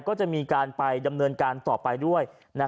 ก็จะมีการไปดำเนินการต่อไปด้วย